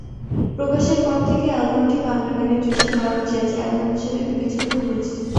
প্রকাশের পর থেকে অ্যালবামটি বাংলা গানের দৃশ্যে বাউল-জ্যাজ অ্যালবাম হিসেবে বিবেচিত হয়েছে।